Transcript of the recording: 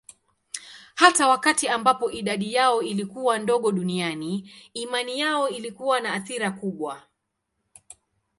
Hata wakati ambapo idadi yao ilikuwa ndogo duniani, imani yao ilikuwa na athira kubwa.